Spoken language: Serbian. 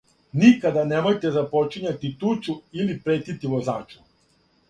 Никада немојте започињати тучу или претити возачу.